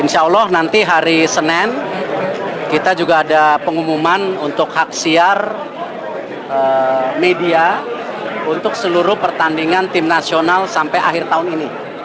insya allah nanti hari senin kita juga ada pengumuman untuk hak siar media untuk seluruh pertandingan tim nasional sampai akhir tahun ini